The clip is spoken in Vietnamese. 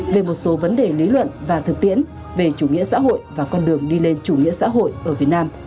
về một số vấn đề lý luận và thực tiễn về chủ nghĩa xã hội và con đường đi lên chủ nghĩa xã hội ở việt nam